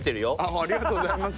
ありがとうございます！